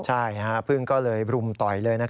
ใช่พึ่งก็เลยรุมต่อยเลย